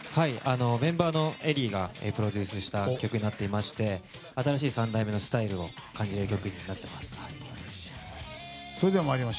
メンバーのＥＬＬＹがプロデュースした曲になっていまして新しい三代目のスタイルを感じる曲になっています。